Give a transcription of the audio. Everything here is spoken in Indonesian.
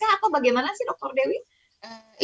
atau bagaimana sih dokter dewi